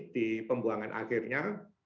di pembuangan akhirnya